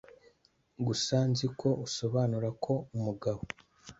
Gusa nziko usobanura ko umugabo